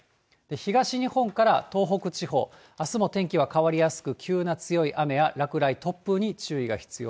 東日本から東北地方、あすも天気は変わりやすく、急な強い雨や落雷、突風に注意が必要。